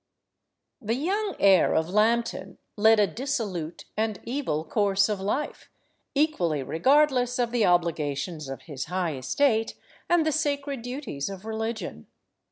The young heir of Lambton led a dissolute and evil course of life, equally regardless of the obligations of his high estate, and the sacred duties of religion.